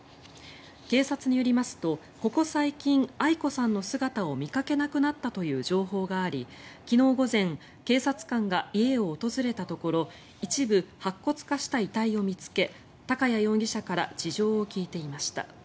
警察によりますとここ最近、愛子さんの姿を見かけなくなったという情報があり昨日午前警察官が家を訪れたところ一部白骨化した遺体を見つけ高谷容疑者から事情を聴いていました。